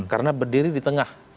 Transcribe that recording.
karena berdiri di tengah